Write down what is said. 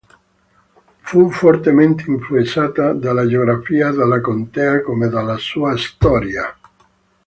Fu fortemente influenzata dalla geografia della contea come dalla sua storia.